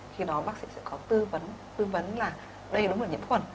khi đó bác sĩ sẽ có tư vấn tư vấn là đây đúng là nhiễm khuẩn